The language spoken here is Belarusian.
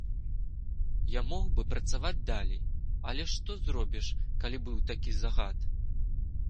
Я мог бы працаваць далей, але што зробіш, калі быў такі загад.